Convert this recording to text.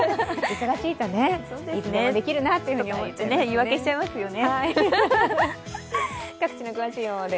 忙しいとね、いつでもできるなと思っちゃいますよね。